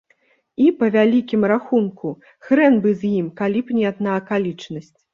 І, па вялікім рахунку, хрэн бы з ім, калі б не адна акалічнасць.